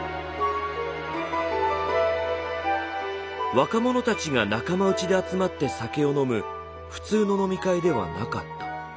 若者たちが仲間内で集まって酒を飲む普通の飲み会ではなかった。